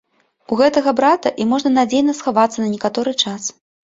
У гэтага брата і можна надзейна схавацца на некаторы час.